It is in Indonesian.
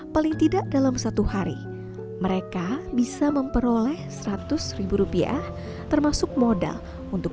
paling tidak dalam satu hari mereka bisa memperoleh seratus ribu rupiah termasuk modal untuk